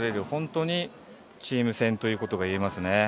本当にチーム戦ということがいえますね。